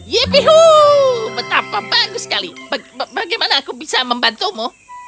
yippee hoo betapa bagus sekali bagaimana aku bisa membantumu